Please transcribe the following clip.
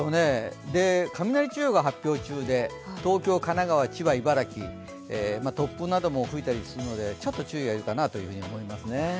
雷注意報が発表中で東京、千葉、神奈川、茨城、突風なども吹いたりするので注意が必要かなと思います。